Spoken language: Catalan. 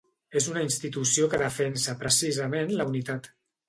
És una institució que defensa precisament la unitat.